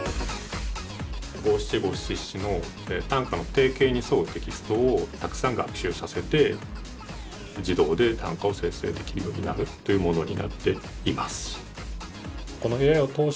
五七五七七の短歌の定型に沿うテキストをたくさん学習させて自動で短歌を生成できるようになるというものになっています。